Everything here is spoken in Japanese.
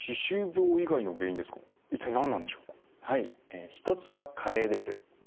え一つは加齢です。